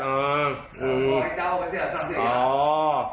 แบบให้เอาไปเสียงสั่งเสียงย่า